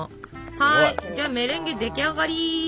はいメレンゲ出来上がり。